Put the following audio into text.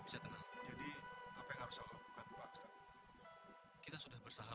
kamu sudah makan